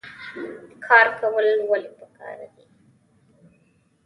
کار کول ولې پکار دي؟